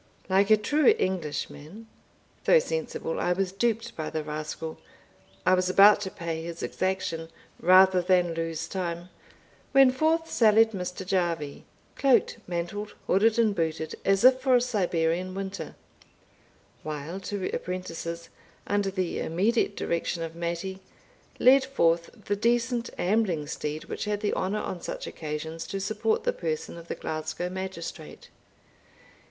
Like a true Englishman, though sensible I was duped by the rascal, I was about to pay his exaction rather than lose time, when forth sallied Mr. Jarvie, cloaked, mantled, hooded, and booted, as if for a Siberian winter, while two apprentices, under the immediate direction of Mattie, led forth the decent ambling steed which had the honour on such occasions to support the person of the Glasgow magistrate.